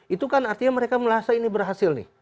itu kan artinya mereka merasa ini berhasil nih